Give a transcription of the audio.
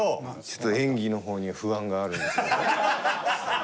ちょっと演技の方に不安があるので。